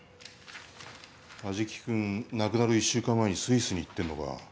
安食君亡くなる１週間前にスイスに行ってんのか。